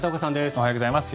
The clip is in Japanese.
おはようございます。